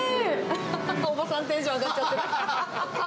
おばさん、テンション上がっちゃってる。